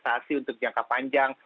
kita berinvestasi untuk jangka panjang